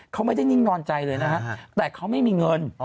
เขาไม่ได้นิ่งนอนใจเลยนะฮะแต่เขาไม่มีเงิน